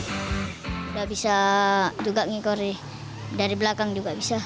sudah bisa juga ngikor dari belakang juga bisa